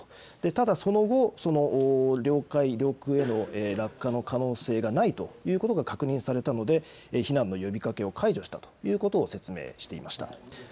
ただ、その後、領海、領空への落下の可能性がないということが確認されたので、避難の呼びかけを解除したということを説明していました。